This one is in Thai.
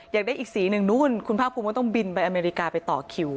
อยากได้อีกสีหนึ่งนู้นคุณภาคภูมิก็ต้องบินไปอเมริกาไปต่อคิว